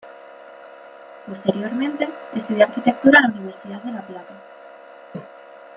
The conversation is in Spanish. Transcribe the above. Posteriormente estudio arquitectura en la Universidad de la Plata.